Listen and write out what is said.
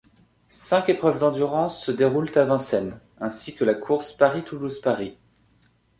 Cinq épreuves d'endurance se déroulent à Vincennes, ainsi que la course Paris-Toulouse-Paris.